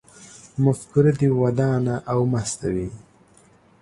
مفکوره دې ودانه او مسته وي